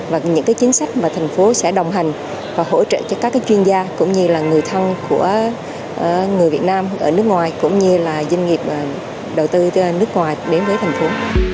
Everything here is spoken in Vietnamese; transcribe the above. và những chính sách mà thành phố sẽ đồng hành và hỗ trợ cho các chuyên gia cũng như là người thân của người việt nam ở nước ngoài cũng như là doanh nghiệp đầu tư nước ngoài đến với thành phố